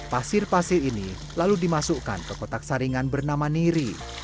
pasir pasir ini lalu dimasukkan ke kotak saringan bernama niri